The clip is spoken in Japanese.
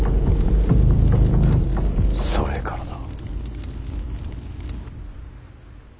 それからだ。